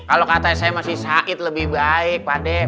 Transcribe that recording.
kalo kata saya masih said lebih baik padeh